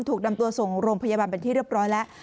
ถูกนำตัวส่งโรงพยาบาลเป็นที่เรียบร้อยแล้ว